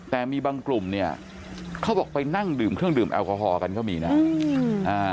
แต่มีบางกลุ่มเนี่ยเขาบอกไปนั่งดื่มเครื่องดื่มแอลกอฮอลกันก็มีนะ